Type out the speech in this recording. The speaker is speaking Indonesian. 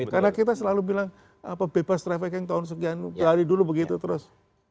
karena kita selalu bilang bebas trafficking tahun segini dari dulu begitu terus